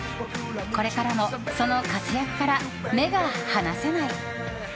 これからもその活躍から目が離せない。